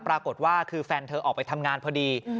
ปรากฏว่าคือแฟนเธอออกไปทำงานพอดี